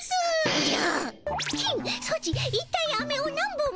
おじゃ。